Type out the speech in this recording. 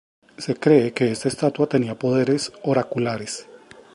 Se cree que esta estatua tenía poderes oraculares.